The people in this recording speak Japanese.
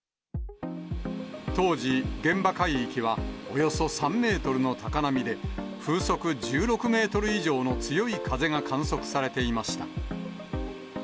当時、現場海域はおよそ３メートルの高波で、風速１６メートル以上の強い風が観測されていました。